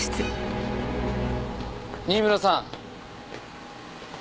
新村さん。